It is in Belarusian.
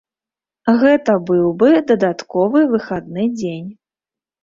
Гэта быў бы дадатковы выхадны дзень.